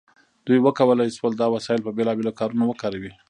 دوی وکولی شول دا وسایل په بیلابیلو کارونو وکاروي.